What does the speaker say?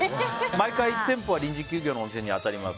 毎回、店舗は臨時休業のお店に当たります。